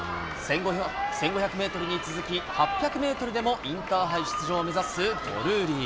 １５００メートルに続き、８００メートルでもインターハイ出場を目指すドルーリー。